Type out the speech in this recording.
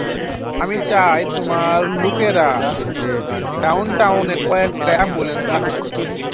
আমি চাই তোমার লোকেরা ডাউনটাউনে কয়েকটা অ্যাম্বুলেন্স আনুক।